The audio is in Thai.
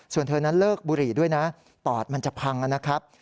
ส่วนเธอนั้นเลิกบุหรี่ด้วยนะปอดมันจะพังนะครับ